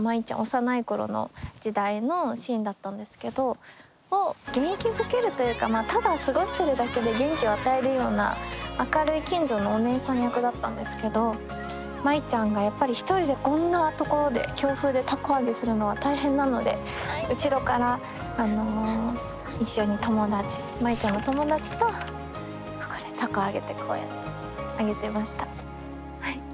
幼い頃の時代のシーンだったんですけど元気づけるというかただ過ごしてるだけで元気を与えるような明るい近所のおねえさん役だったんですけど舞ちゃんがやっぱり一人でこんな所で強風で凧揚げするのは大変なので後ろから一緒に舞ちゃんの友達とここで凧揚げてこうやって揚げてました。